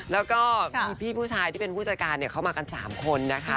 แล้วก็มีพี่ผู้ชายที่เป็นผู้จัดการเข้ามากัน๓คนนะคะ